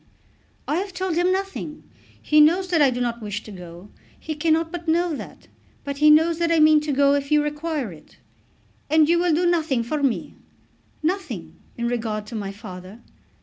"I have told him nothing. He knows that I do not wish to go. He cannot but know that. But he knows that I mean to go if you require it." "And you will do nothing for me?" "Nothing, in regard to my father."